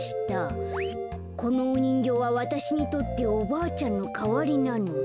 このおにんぎょうはわたしにとっておばあちゃんのかわりなの。